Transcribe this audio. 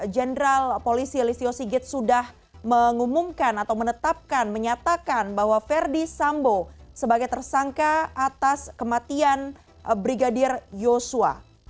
jenderal polisi listio sigit sudah mengumumkan atau menetapkan menyatakan bahwa verdi sambo sebagai tersangka atas kematian brigadir yosua